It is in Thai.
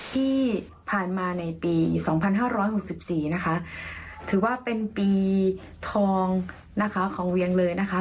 ที่ผ่านมาในปี๒๕๖๔นะคะถือว่าเป็นปีทองนะคะของเวียงเลยนะคะ